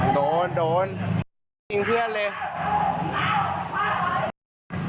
โดนโดนยิงเพื่อนเลย